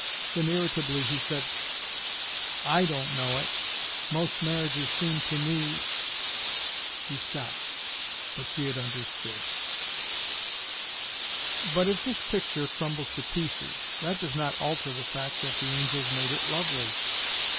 Then irritably he said: "I don't know it. Most marriages seem to me " He stopped, but she had understood. "But if this picture crumbles to pieces, that does not alter the fact that the angels made it lovely."